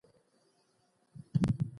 هغه د مالدارۍ د نظام په بدلون ټينګار کوي.